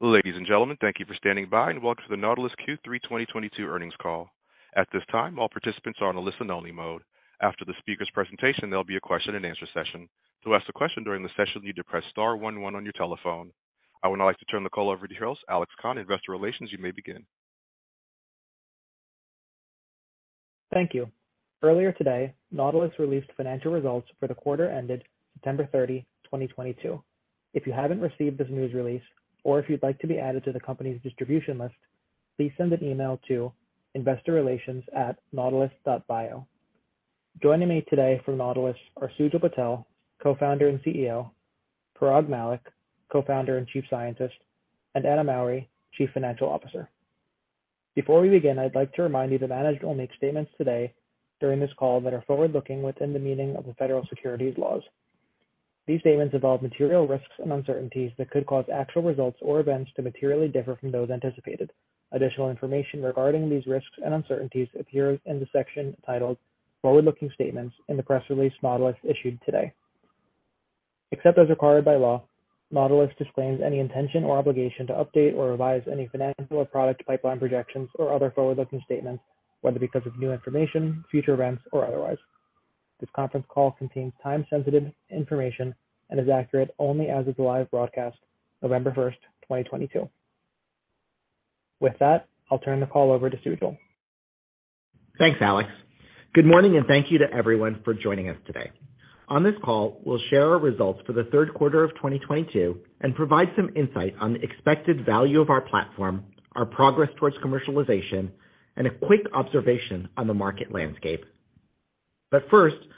Ladies and gentlemen, thank you for standing by and welcome to the Nautilus Q3 2022 earnings call. At this time, all participants are on a listen only mode. After the speaker's presentation, there'll be a question and answer session. To ask a question during the session, you need to press star one one on your telephone. I would now like to turn the call over to Gils Alex Khan, Investor Relations. You may begin. Thank you. Earlier today, Nautilus released financial results for the quarter ended September 30, 2022. If you haven't received this news release or if you'd like to be added to the company's distribution list, please send an email to investorrelations@nautilus.bio. Joining me today from Nautilus are Sujal Patel, Co-founder and CEO, Parag Mallick, Co-founder and Chief Scientist, and Anna Mowry, Chief Financial Officer. Before we begin, I'd like to remind you the management will make statements today during this call that are forward-looking within the meaning of the federal securities laws. These statements involve material risks and uncertainties that could cause actual results or events to materially differ from those anticipated. Additional information regarding these risks and uncertainties appears in the section titled Forward-Looking Statements in the press release Nautilus issued today. Except as required by law, Nautilus disclaims any intention or obligation to update or revise any financial or product pipeline projections or other forward-looking statements, whether because of new information, future events or otherwise. This conference call contains time-sensitive information and is accurate only as of the live broadcast, November 1, 2022. With that, I'll turn the call over to Sujal. Thanks, Alex. Good morning and thank you to everyone for joining us today. On this call, we'll share our results for the third quarter of 2022 and provide some insight on the expected value of our platform, our progress towards commercialization, and a quick observation on the market landscape. First,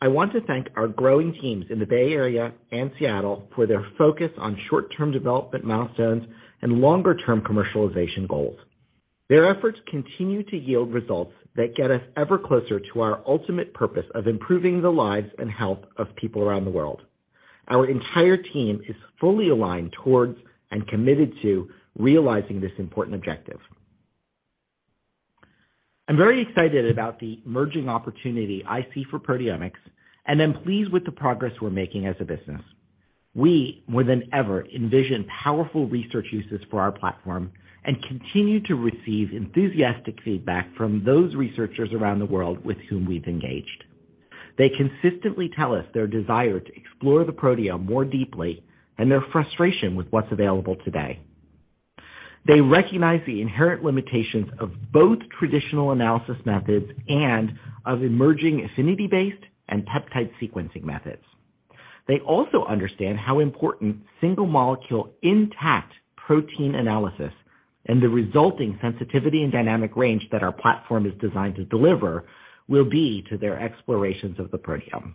I want to thank our growing teams in the Bay Area and Seattle for their focus on short-term development milestones and longer term commercialization goals. Their efforts continue to yield results that get us ever closer to our ultimate purpose of improving the lives and health of people around the world. Our entire team is fully aligned towards and committed to realizing this important objective. I'm very excited about the emerging opportunity I see for proteomics and am pleased with the progress we're making as a business. We more than ever envision powerful research uses for our platform and continue to receive enthusiastic feedback from those researchers around the world with whom we've engaged. They consistently tell us their desire to explore the proteome more deeply and their frustration with what's available today. They recognize the inherent limitations of both traditional analysis methods and of emerging affinity-based and peptide sequencing methods. They also understand how important single molecule intact protein analysis and the resulting sensitivity and dynamic range that our platform is designed to deliver will be to their explorations of the proteome.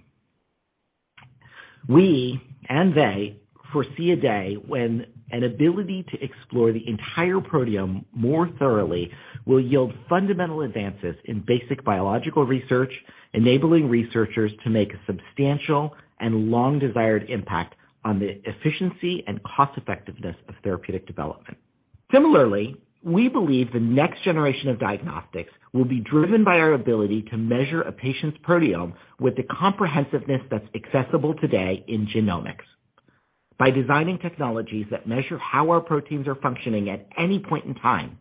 We and they foresee a day when an ability to explore the entire proteome more thoroughly will yield fundamental advances in basic biological research, enabling researchers to make a substantial and long desired impact on the efficiency and cost effectiveness of therapeutic development. Similarly, we believe the next generation of diagnostics will be driven by our ability to measure a patient's proteome with the comprehensiveness that's accessible today in genomics. By designing technologies that measure how our proteins are functioning at any point in time,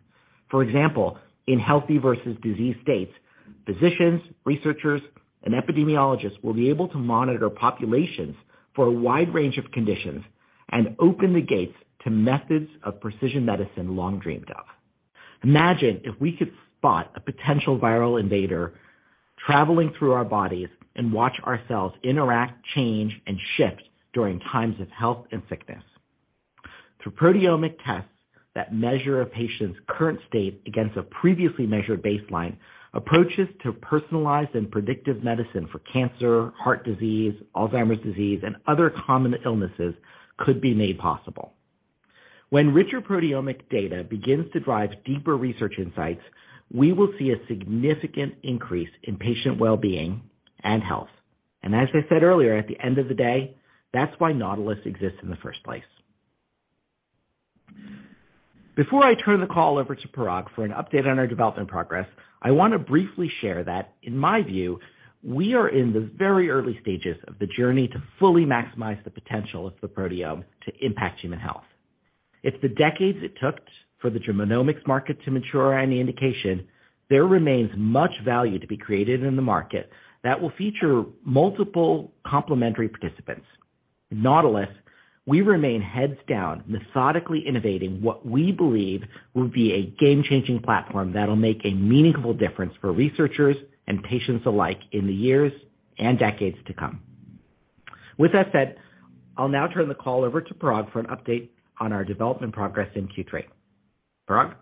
for example, in healthy versus disease states, physicians, researchers, and epidemiologists will be able to monitor populations for a wide range of conditions and open the gates to methods of precision medicine long dreamed of. Imagine if we could spot a potential viral invader traveling through our bodies and watch ourselves interact, change and shift during times of health and sickness. Through proteomic tests that measure a patient's current state against a previously measured baseline, approaches to personalized and predictive medicine for cancer, heart disease, Alzheimer's disease, and other common illnesses could be made possible. When richer proteomic data begins to drive deeper research insights, we will see a significant increase in patient well-being and health. As I said earlier, at the end of the day, that's why Nautilus exists in the first place. Before I turn the call over to Parag for an update on our development progress, I want to briefly share that, in my view, we are in the very early stages of the journey to fully maximize the potential of the proteome to impact human health. If the decades it took for the genomics market to mature is any indication, there remains much value to be created in the market that will feature multiple complementary participants. At Nautilus, we remain heads down, methodically innovating what we believe will be a game changing platform that'll make a meaningful difference for researchers and patients alike in the years and decades to come. With that said, I'll now turn the call over to Parag for an update on our development progress in Q3. Parag.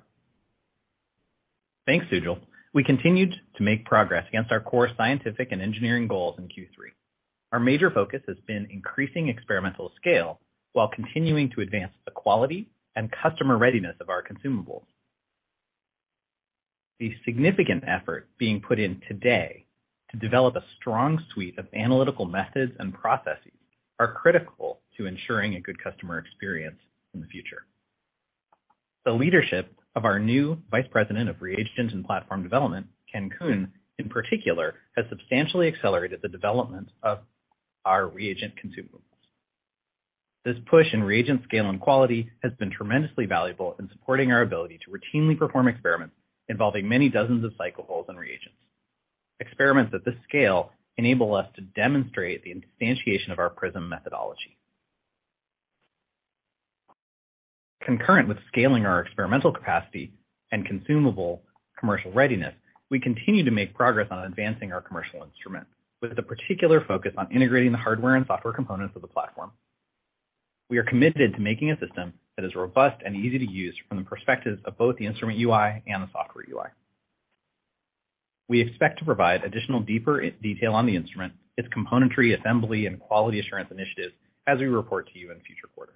Thanks, Sujal. We continued to make progress against our core scientific and engineering goals in Q3. Our major focus has been increasing experimental scale while continuing to advance the quality and customer readiness of our consumables. The significant effort being put in today to develop a strong suite of analytical methods and processes is critical to ensuring a good customer experience in the future. The leadership of our new Vice President of Reagents and Platform Development, Ken Kuhn, in particular, has substantially accelerated the development of our reagent consumables. This push in reagent scale and quality has been tremendously valuable in supporting our ability to routinely perform experiments involving many dozens of cycles and reagents. Experiments at this scale enable us to demonstrate the instantiation of our PRISM methodology. Concurrent with scaling our experimental capacity and consumable commercial readiness, we continue to make progress on advancing our commercial instrument, with a particular focus on integrating the hardware and software components of the platform. We are committed to making a system that is robust and easy to use from the perspectives of both the instrument UI and the software UI. We expect to provide additional deeper detail on the instrument, its componentry, assembly, and quality assurance initiatives as we report to you in future quarters.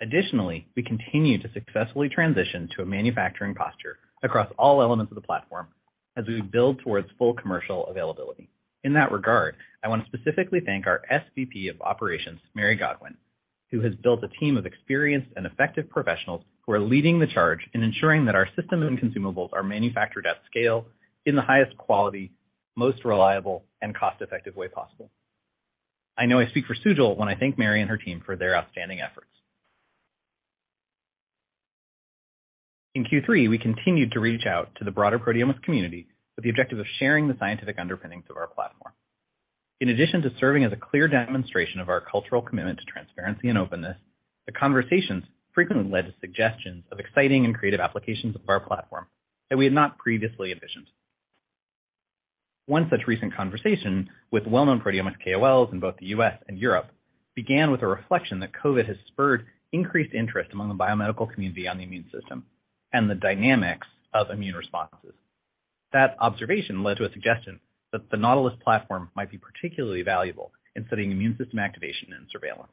Additionally, we continue to successfully transition to a manufacturing posture across all elements of the platform as we build towards full commercial availability. In that regard, I want to specifically thank our SVP of Operations, Mary Godwin, who has built a team of experienced and effective professionals who are leading the charge in ensuring that our systems and consumables are manufactured at scale in the highest quality, most reliable and cost-effective way possible. I know I speak for Sujal when I thank Mary and her team for their outstanding efforts. In Q3, we continued to reach out to the broader proteomics community with the objective of sharing the scientific underpinnings of our platform. In addition to serving as a clear demonstration of our cultural commitment to transparency and openness, the conversations frequently led to suggestions of exciting and creative applications of our platform that we had not previously envisioned. One such recent conversation with well-known proteomics KOLs in both the U.S. and Europe began with a reflection that COVID has spurred increased interest among the biomedical community on the immune system and the dynamics of immune responses. That observation led to a suggestion that the Nautilus platform might be particularly valuable in studying immune system activation and surveillance.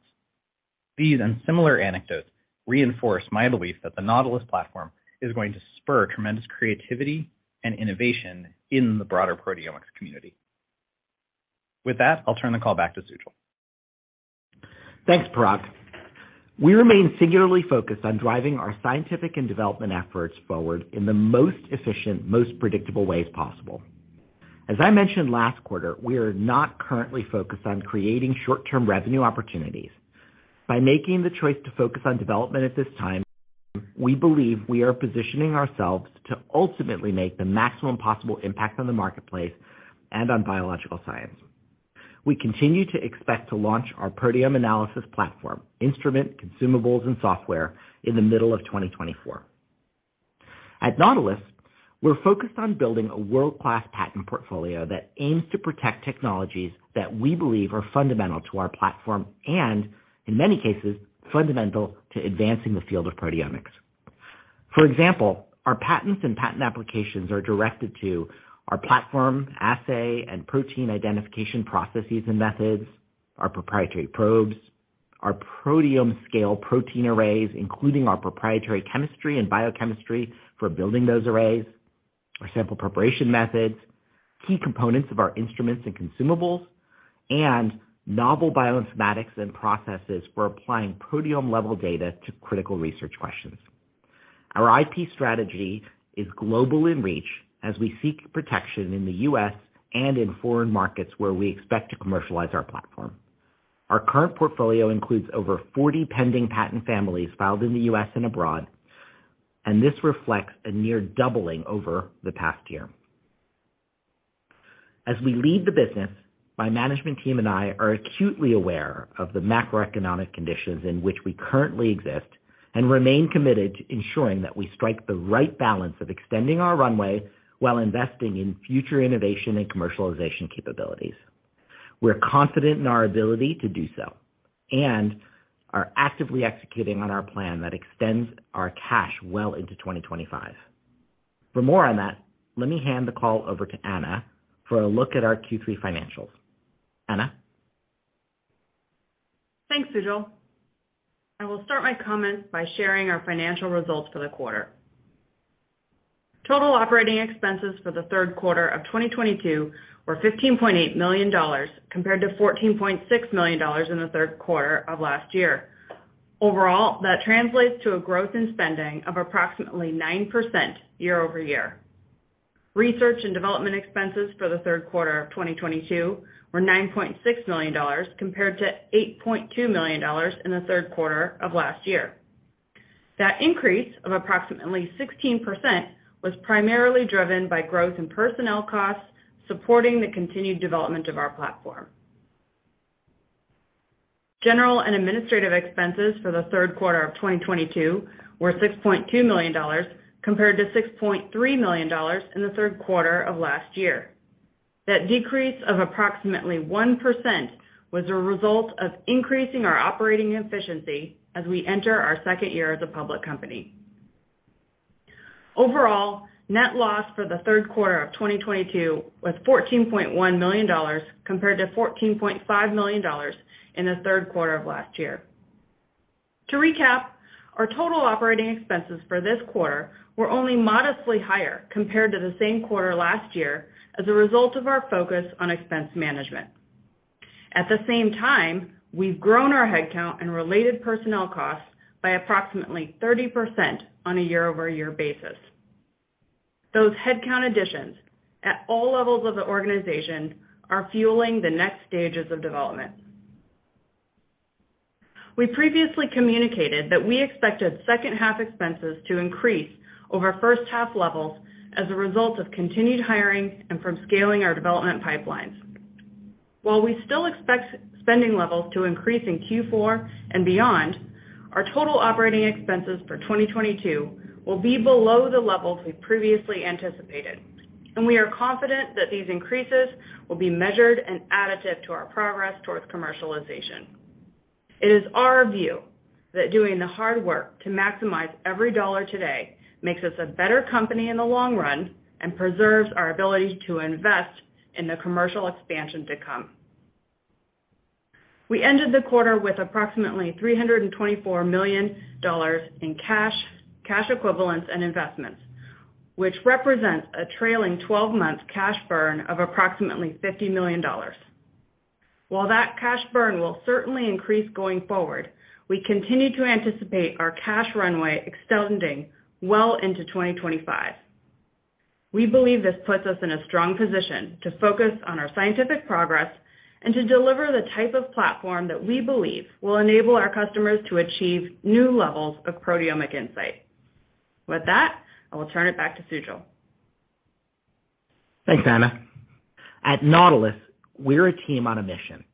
These and similar anecdotes reinforce my belief that the Nautilus platform is going to spur tremendous creativity and innovation in the broader proteomics community. With that, I'll turn the call back to Sujal. Thanks, Parag. We remain singularly focused on driving our scientific and development efforts forward in the most efficient, most predictable ways possible. As I mentioned last quarter, we are not currently focused on creating short-term revenue opportunities. By making the choice to focus on development at this time, we believe we are positioning ourselves to ultimately make the maximum possible impact on the marketplace and on biological science. We continue to expect to launch our proteome analysis platform, instrument, consumables, and software in the middle of 2024. At Nautilus, we're focused on building a world-class patent portfolio that aims to protect technologies that we believe are fundamental to our platform and, in many cases, fundamental to advancing the field of proteomics. For example, our patents and patent applications are directed to our platform, assay, and protein identification processes and methods, our proprietary probes, our proteome scale protein arrays, including our proprietary chemistry and biochemistry for building those arrays, our sample preparation methods, key components of our instruments and consumables, and novel bioinformatics and processes for applying proteome-level data to critical research questions. Our IP strategy is global in reach as we seek protection in the U.S. and in foreign markets where we expect to commercialize our platform. Our current portfolio includes over 40 pending patent families filed in the U.S. and abroad, and this reflects a near doubling over the past year. As we lead the business, my management team and I are acutely aware of the macroeconomic conditions in which we currently exist and remain committed to ensuring that we strike the right balance of extending our runway while investing in future innovation and commercialization capabilities. We're confident in our ability to do so and are actively executing on our plan that extends our cash well into 2025. For more on that, let me hand the call over to Anna for a look at our Q3 financials. Anna? Thanks, Sujal. I will start my comments by sharing our financial results for the quarter. Total operating expenses for the third quarter of 2022 were $15.8 million compared to $14.6 million in the third quarter of last year. Overall, that translates to a growth in spending of approximately 9% year over year. Research and development expenses for the third quarter of 2022 were $9.6 million compared to $8.2 million in the third quarter of last year. That increase of approximately 16% was primarily driven by growth in personnel costs, supporting the continued development of our platform. General and administrative expenses for the third quarter of 2022 were $6.2 million compared to $6.3 million in the third quarter of last year. That decrease of approximately 1% was a result of increasing our operating efficiency as we enter our second year as a public company. Overall, net loss for the third quarter of 2022 was $14.1 million compared to $14.5 million in the third quarter of last year. To recap, our total operating expenses for this quarter were only modestly higher compared to the same quarter last year as a result of our focus on expense management. At the same time, we've grown our headcount and related personnel costs by approximately 30% on a year-over-year basis. Those headcount additions at all levels of the organization are fueling the next stages of development. We previously communicated that we expected second half expenses to increase over first half levels as a result of continued hiring and from scaling our development pipelines. While we still expect spending levels to increase in Q4 and beyond, our total operating expenses for 2022 will be below the levels we previously anticipated, and we are confident that these increases will be measured and additive to our progress towards commercialization. It is our view that doing the hard work to maximize every dollar today makes us a better company in the long run and preserves our ability to invest in the commercial expansion to come. We ended the quarter with approximately $324 million in cash equivalents and investments, which represents a trailing twelve-month cash burn of approximately $50 million. While that cash burn will certainly increase going forward, we continue to anticipate our cash runway extending well into 2025. We believe this puts us in a strong position to focus on our scientific progress and to deliver the type of platform that we believe will enable our customers to achieve new levels of proteomic insight. With that, I will turn it back to Sujal. Thanks, Anna. At Nautilus, we're a team on a mission,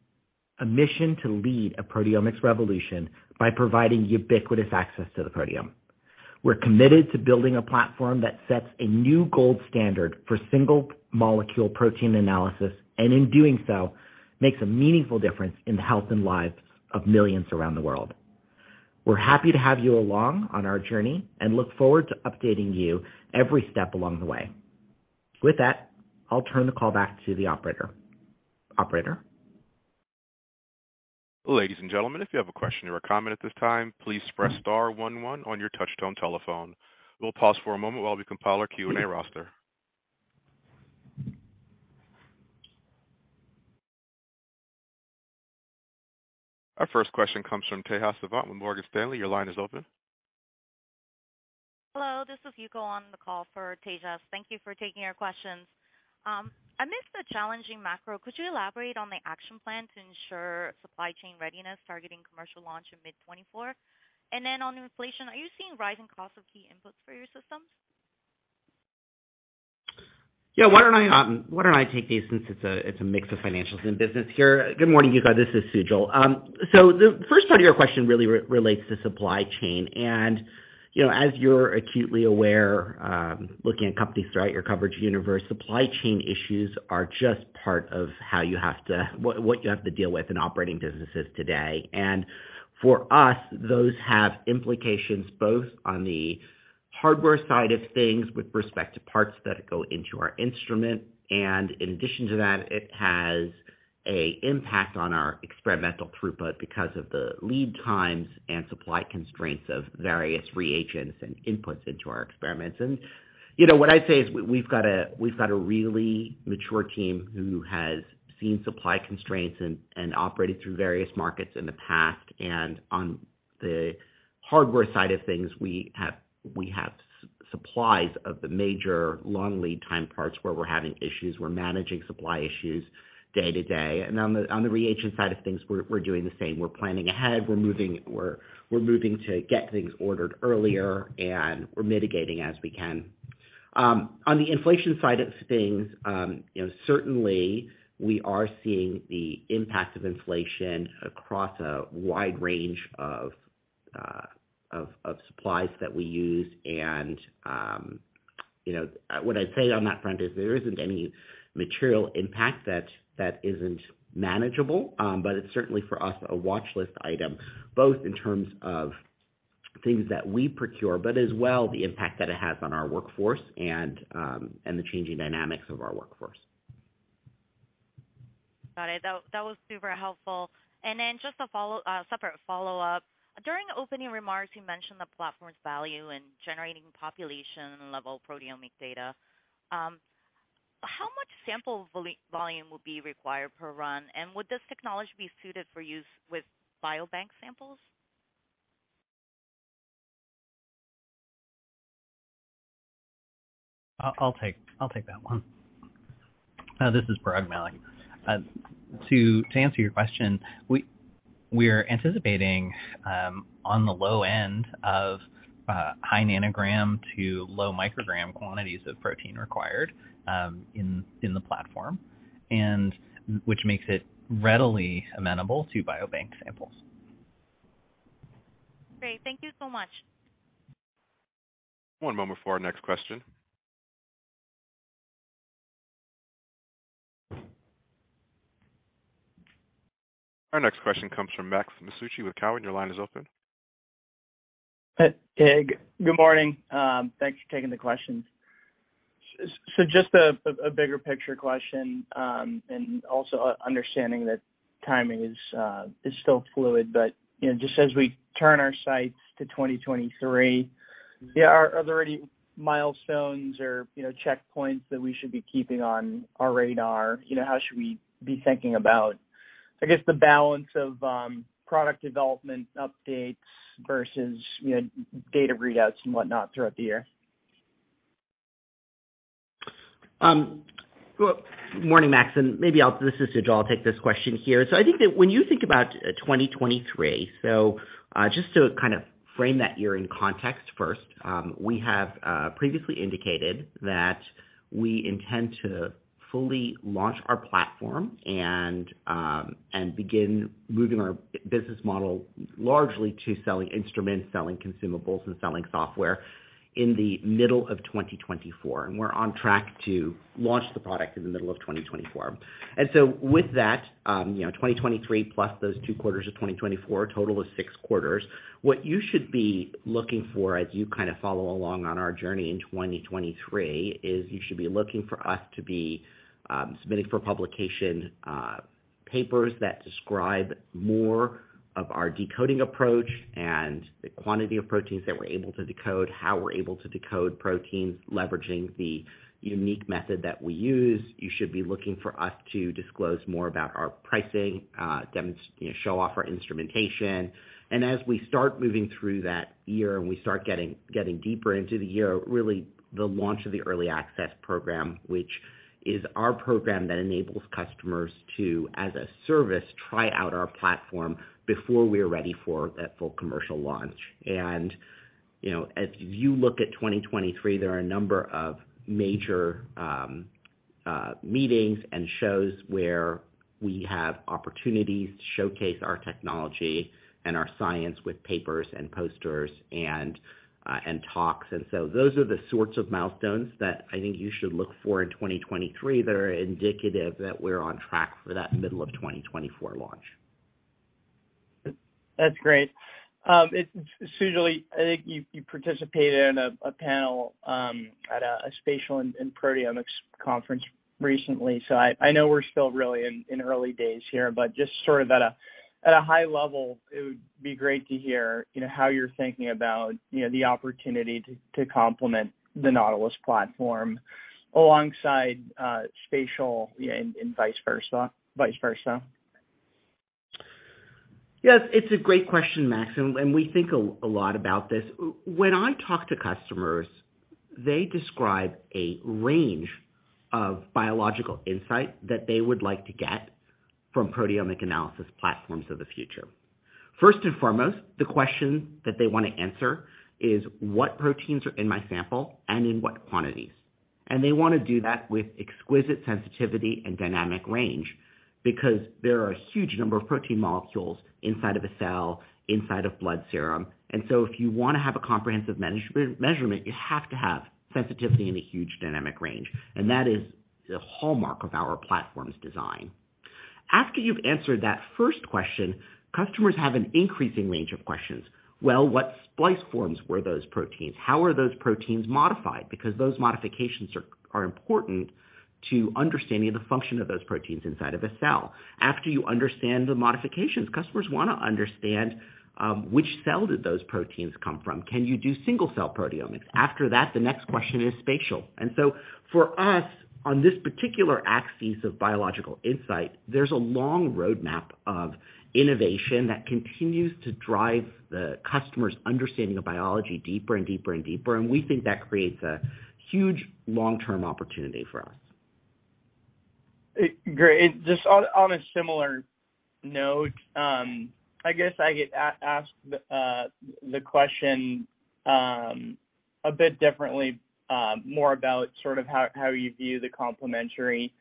a mission to lead a proteomics revolution by providing ubiquitous access to the proteome. We're committed to building a platform that sets a new gold standard for single molecule protein analysis, and in doing so, makes a meaningful difference in the health and lives of millions around the world. We're happy to have you along on our journey and look forward to updating you every step along the way. With that, I'll turn the call back to the operator. Operator? Ladies and gentlemen, if you have a question or a comment at this time, please press star one one on your touchtone telephone. We'll pause for a moment while we compile our Q&A roster. Our first question comes from Tejas Savant with Morgan Stanley. Your line is open. Hello, this is Ji-Yon Yi on the call for Tejas Savant. Thank you for taking our questions. Amidst the challenging macro, could you elaborate on the action plan to ensure supply chain readiness targeting commercial launch in mid-2024? On inflation, are you seeing rising costs of key inputs for your systems? Yeah, why don't I take these since it's a mix of financials and business here. Good morning, Ji-Yon Yi. This is Sujal. So the first part of your question really relates to supply chain and, you know, as you're acutely aware, looking at companies throughout your coverage universe, supply chain issues are just part of what you have to deal with in operating businesses today. For us, those have implications both on the hardware side of things with respect to parts that go into our instrument. In addition to that, it has an impact on our experimental throughput because of the lead times and supply constraints of various reagents and inputs into our experiments. You know, what I'd say is we've got a really mature team who has seen supply constraints and operated through various markets in the past. On the hardware side of things, we have supplies of the major long lead time parts where we're having issues. We're managing supply issues day to day. On the reagent side of things, we're doing the same. We're planning ahead. We're moving to get things ordered earlier, and we're mitigating as we can. On the inflation side of things, you know, certainly we are seeing the impact of inflation across a wide range of supplies that we use. What I'd say on that front is there isn't any material impact that isn't manageable. It's certainly for us a watchlist item, both in terms of things that we procure, but as well the impact that it has on our workforce and the changing dynamics of our workforce. Got it. That was super helpful. Just a separate follow-up. During opening remarks, you mentioned the platform's value in generating population level proteomic data. How much sample volume will be required per run? And would this technology be suited for use with biobank samples? I'll take that one. This is Parag Mallick. To answer your question, we're anticipating on the low end of high nanogram to low microgram quantities of protein required in the platform, and which makes it readily amenable to biobank samples. Great. Thank you so much. One moment for our next question. Our next question comes from Max Masucci with Cowen. Your line is open. Hey, good morning. Thanks for taking the questions. So just a bigger picture question, and also understanding that timing is still fluid. You know, just as we turn our sights to 2023, are there any other milestones or, you know, checkpoints that we should be keeping on our radar. You know, how should we be thinking about, I guess, the balance of product development updates versus, you know, data readouts and whatnot throughout the year? Well, morning, Max. This is Sujal. I'll take this question here. I think that when you think about 2023, just to kind of frame that year in context first, we have previously indicated that we intend to fully launch our platform and begin moving our business model largely to selling instruments, selling consumables and selling software in the middle of 2024, and we're on track to launch the product in the middle of 2024. With that, you know, 2023 plus those two quarters of 2024, a total of six quarters, what you should be looking for as you kind of follow along on our journey in 2023 is you should be looking for us to be submitting for publication papers that describe more of our decoding approach and the quantity of proteins that we're able to decode, how we're able to decode proteins, leveraging the unique method that we use. You should be looking for us to disclose more about our pricing, you know, show off our instrumentation. As we start moving through that year and we start getting deeper into the year, really the launch of the early access program, which is our program that enables customers to as a service, try out our platform before we're ready for that full commercial launch. You know, as you look at 2023, there are a number of major meetings and shows where we have opportunities to showcase our technology and our science with papers and posters and talks. Those are the sorts of milestones that I think you should look for in 2023 that are indicative that we're on track for that middle of 2024 launch. That's great. It's Sujal, I think you participated in a panel at a spatial and proteomics conference recently. I know we're still really in early days here, but just sort of at a high level, it would be great to hear, you know, how you're thinking about, you know, the opportunity to complement the Nautilus platform alongside spatial, you know, and vice versa. Yes, it's a great question, Max, and we think a lot about this. When I talk to customers, they describe a range of biological insight that they would like to get from proteomic analysis platforms of the future. First and foremost, the question that they wanna answer is what proteins are in my sample and in what quantities? They wanna do that with exquisite sensitivity and dynamic range because there are a huge number of protein molecules inside of a cell, inside of blood serum. If you wanna have a comprehensive measurement, you have to have sensitivity in a huge dynamic range, and that is the hallmark of our platform's design. After you've answered that first question, customers have an increasing range of questions. Well, what splice variants were those proteins? How are those proteins modified? Because those modifications are important to understanding the function of those proteins inside of a cell. After you understand the modifications, customers wanna understand which cell did those proteins come from. Can you do single cell proteomics? After that, the next question is spatial. For us, on this particular axis of biological insight, there's a long roadmap of innovation that continues to drive the customer's understanding of biology deeper and deeper and deeper, and we think that creates a huge long-term opportunity for us. Great. Just on a similar note, I guess I get asked the question a bit differently, more about sort of how you view the complementary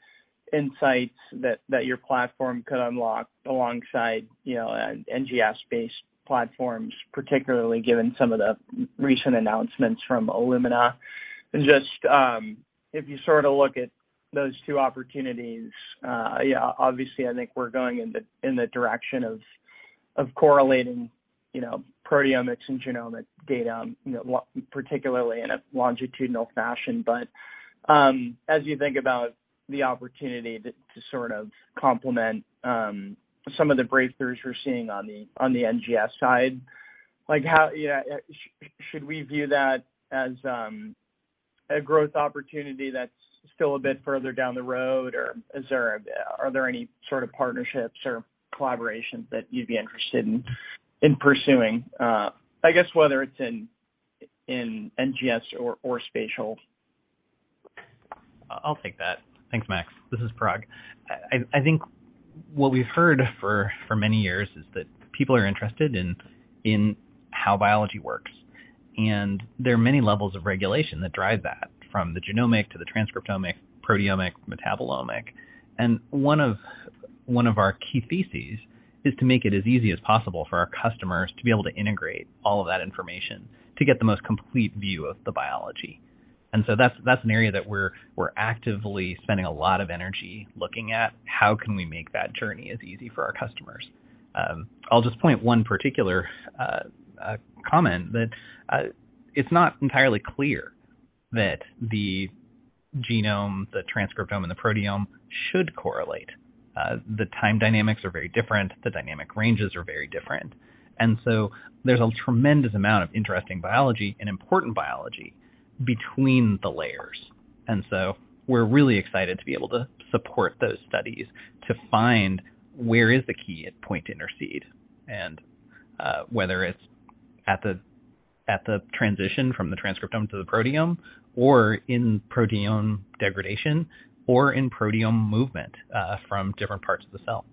insights that your platform could unlock alongside, you know, NGS-based platforms, particularly given some of the recent announcements from Illumina. Just, if you sort of look at those two opportunities, yeah, obviously, I think we're going in the direction of correlating, you know, proteomics and genomic data, you know, particularly in a longitudinal fashion. As you think about the opportunity to sort of complement some of the breakthroughs you're seeing on the NGS side, like how, you know, should we view that as a growth opportunity that's still a bit further down the road? Are there any sort of partnerships or collaborations that you'd be interested in pursuing? I guess whether it's in NGS or spatial. I'll take that. Thanks, Max. This is Parag. I think what we've heard for many years is that people are interested in how biology works, and there are many levels of regulation that drive that, from the genomic to the transcriptomic, proteomic, metabolomic. One of our key theses is to make it as easy as possible for our customers to be able to integrate all of that information to get the most complete view of the biology. That's an area that we're actively spending a lot of energy looking at how we can make that journey as easy for our customers. I'll just point one particular a comment that it's not entirely clear that the genome, the transcriptome and the proteome should correlate. The time dynamics are very different. The dynamic ranges are very different. There's a tremendous amount of interesting biology and important biology between the layers. We're really excited to be able to support those studies to find where is the key point to intercede, and whether it's at the transition from the transcriptome to the proteome or in proteome degradation or in proteome movement from different parts of the cell.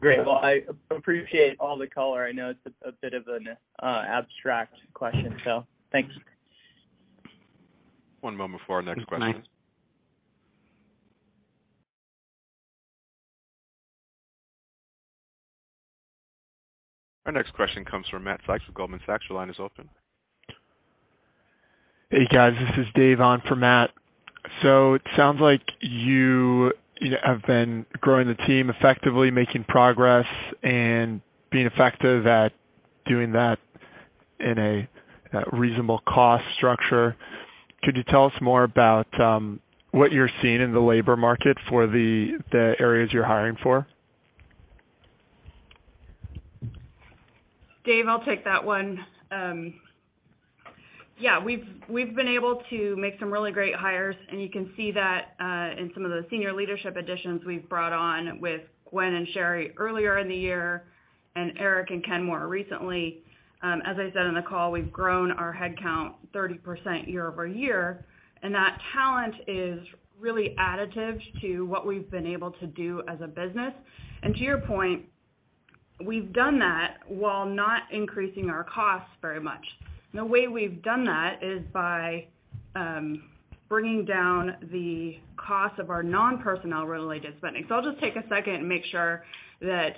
Great. Well, I appreciate all the color. I know it's a bit of an abstract question, so thanks. One moment before our next question. Thanks. Our next question comes from Matt Sykes with Goldman Sachs. Your line is open. Hey, guys, this is Dave on for Matt. It sounds like you have been growing the team effectively, making progress and being effective at doing that in a reasonable cost structure. Could you tell us more about what you're seeing in the labor market for the areas you're hiring for? Dave, I'll take that one. Yeah, we've been able to make some really great hires, and you can see that in some of the senior leadership additions we've brought on with Gwen and Sherry earlier in the year, and Eric and Ken more recently. As I said in the call, we've grown our headcount 30% year-over-year, and that talent is really additive to what we've been able to do as a business. To your point, we've done that while not increasing our costs very much. The way we've done that is by bringing down the cost of our non-personnel related spending. I'll just take a second and make sure that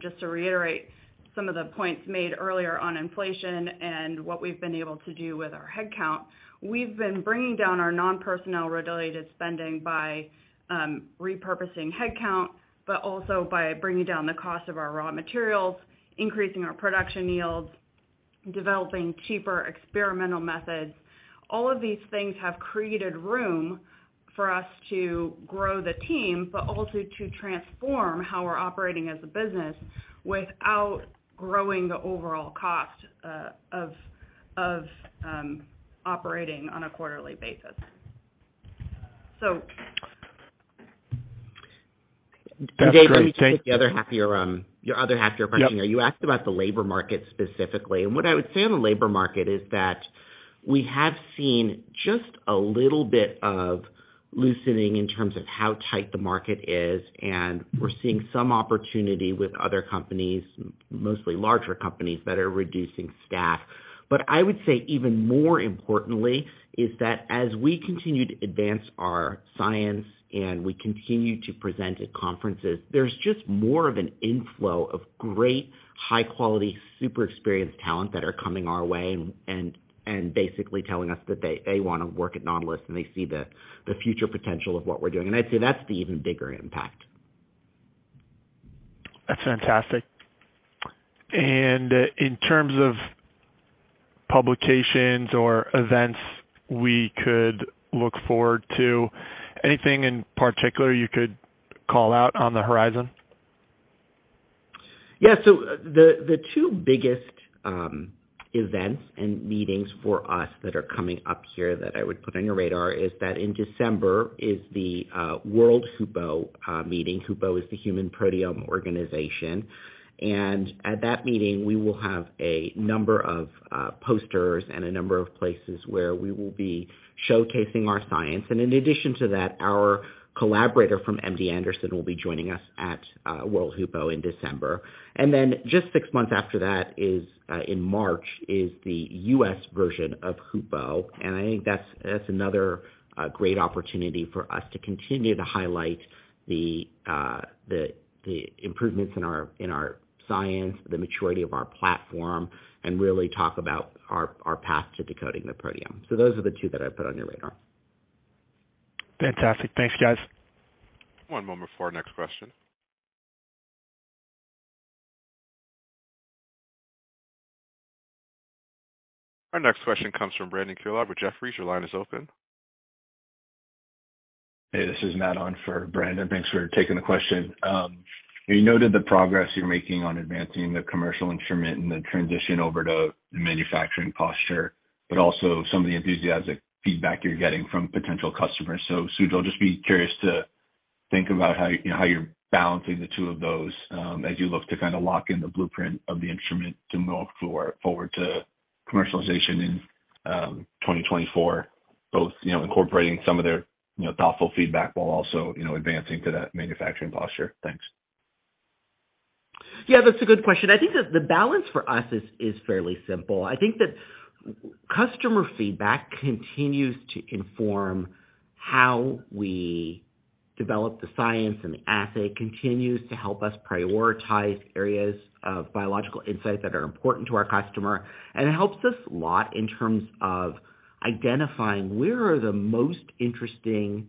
just to reiterate some of the points made earlier on inflation and what we've been able to do with our headcount. We've been bringing down our non-personnel related spending by repurposing headcount, but also by bringing down the cost of our raw materials, increasing our production yields, developing cheaper experimental methods. All of these things have created room for us to grow the team, but also to transform how we're operating as a business without growing the overall cost of operating on a quarterly basis. Dave, let me take the other half of your question. Yep. You asked about the labor market specifically, and what I would say on the labor market is that we have seen just a little bit of loosening in terms of how tight the market is, and we're seeing some opportunity with other companies, mostly larger companies that are reducing staff. But I would say even more importantly is that as we continue to advance our science and we continue to present at conferences, there's just more of an inflow of great, high quality, super experienced talent that are coming our way and basically telling us that they wanna work at Nautilus and they see the future potential of what we're doing. I'd say that's the even bigger impact. That's fantastic. In terms of publications or events we could look forward to, anything in particular you could call out on the horizon? Yeah. The two biggest events and meetings for us that are coming up here that I would put on your radar is that in December is the World HUPO meeting. HUPO is the Human Proteome Organization. At that meeting we will have a number of posters and a number of places where we will be showcasing our science. In addition to that, our collaborator from MD Anderson will be joining us at World HUPO in December. Then just six months after that is in March is the US version of HUPO. I think that's another great opportunity for us to continue to highlight the improvements in our science, the maturity of our platform, and really talk about our path to decoding the proteome. Those are the two that I'd put on your radar. Fantastic. Thanks, guys. One moment for our next question. Our next question comes from Brandon Couillard with Jefferies. Your line is open. Hey, this is Matt on for Brandon. Thanks for taking the question. We noted the progress you're making on advancing the commercial instrument and the transition over to the manufacturing posture, but also some of the enthusiastic feedback you're getting from potential customers. Sujal, I'll just be curious to think about how, you know, you're balancing the two of those, as you look to kinda lock in the blueprint of the instrument to move forward to commercialization in 2024, both, you know, incorporating some of their, you know, thoughtful feedback while also, you know, advancing to that manufacturing posture. Thanks. Yeah, that's a good question. I think that the balance for us is fairly simple. I think that customer feedback continues to inform how we develop the science, and the assay continues to help us prioritize areas of biological insight that are important to our customer. It helps us a lot in terms of identifying where are the most interesting,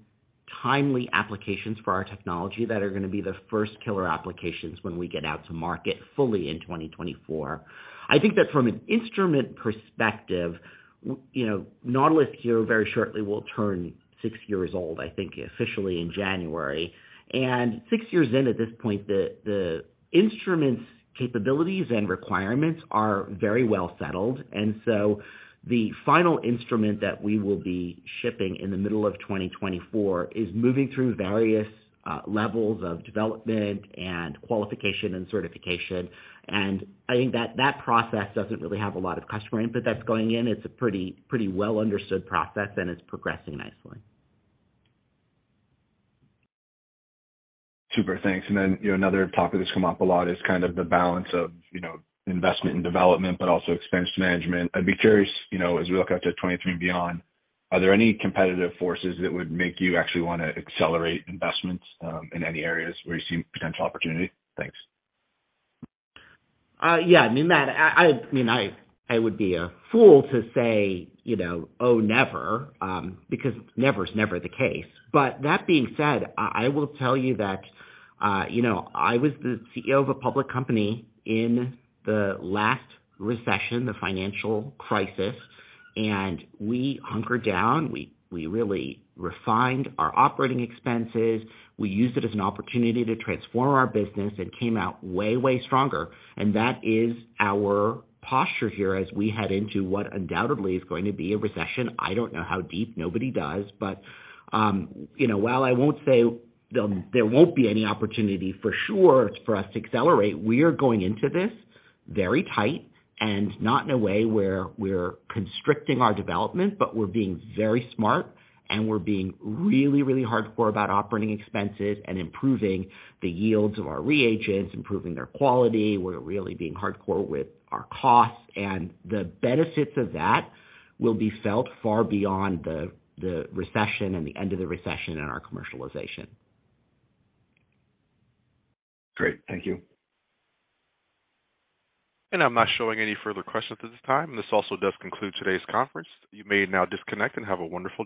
timely applications for our technology that are gonna be the first killer applications when we get out to market fully in 2024. I think that from an instrument perspective, you know, Nautilus here very shortly will turn six years old, I think officially in January. Six years in at this point, the instrument's capabilities and requirements are very well settled. The final instrument that we will be shipping in the middle of 2024 is moving through various levels of development and qualification and certification. I think that process doesn't really have a lot of customer input that's going in. It's a pretty well understood process and it's progressing nicely. Super, thanks. Then, you know, another topic that's come up a lot is kind of the balance of, you know, investment and development, but also expense management. I'd be curious, you know, as we look out to 2023 and beyond, are there any competitive forces that would make you actually wanna accelerate investments in any areas where you see potential opportunity? Thanks. Yeah, I mean, that I would be a fool to say, you know, "Oh, never," because never is never the case. But that being said, I will tell you that, you know, I was the CEO of a public company in the last recession, the financial crisis, and we hunkered down. We really refined our operating expenses. We used it as an opportunity to transform our business and came out way stronger. That is our posture here as we head into what undoubtedly is going to be a recession. I don't know how deep, nobody does. You know, while I won't say there won't be any opportunity for sure for us to accelerate, we are going into this very tight and not in a way where we're constricting our development, but we're being very smart and we're being really, really hardcore about operating expenses and improving the yields of our reagents, improving their quality. We're really being hardcore with our costs and the benefits of that will be felt far beyond the recession and the end of the recession and our commercialization. Great. Thank you. I'm not showing any further questions at this time. This also does conclude today's conference. You may now disconnect and have a wonderful day.